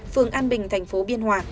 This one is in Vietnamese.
phường an bình thành phố biên hòa